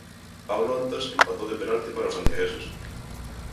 Pablo Antas empatou de penalti para os santiagueses.